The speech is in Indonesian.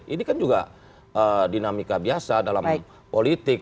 ini kan juga dinamika biasa dalam politik